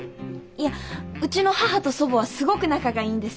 いやうちの母と祖母はすごく仲がいいんです。